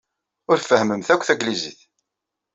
Ur tfehhmemt akk tanglizit.